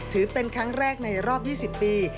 ถือเป็นครั้งแรกในรอบ๒๐ปี